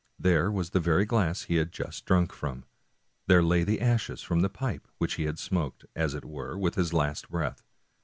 There was the very glass he had just drunk from ; there lay the ashes from the pipe which he had smoked, as it were, with his last breath.